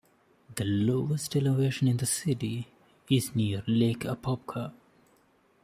The lowest elevation in the city is near Lake Apopka.